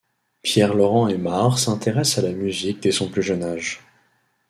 Pierre-Laurent Aimard s'intéresse à la musique dès son plus jeune âge.